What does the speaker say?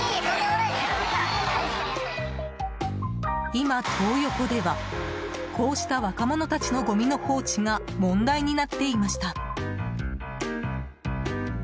今、トー横ではこうした若者たちのごみの放置が問題になっていました。